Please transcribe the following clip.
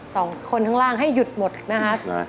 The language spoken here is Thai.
สองคนข้างล่างให้หยุดหมดนะฮะ